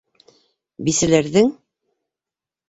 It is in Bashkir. Бисәләрҙең: